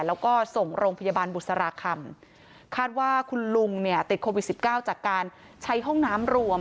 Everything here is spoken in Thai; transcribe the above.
แล้วก็ส่งโรงพยาบาลบุษราคำคาดว่าคุณลุงเนี่ยติดโควิดสิบเก้าจากการใช้ห้องน้ำรวม